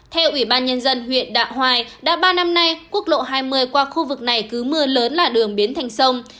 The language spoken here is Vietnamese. theo ủy ban nhân dân huyện đạ hoài đã ba năm nay quốc lộ hai mươi qua khu vực này cứ mưa lớn là đường biến thành sông